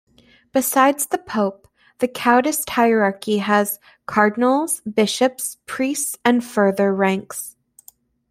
Besides the Pope, the Caodaist hierarchy has Cardinals, Bishops, Priests, and further ranks.